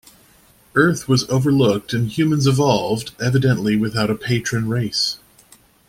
Earth was overlooked and humans evolved, evidently without a patron race.